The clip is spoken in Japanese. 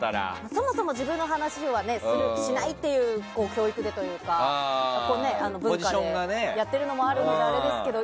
そもそも自分の話はしないという教育でというかポジションでやっているのであれですけど。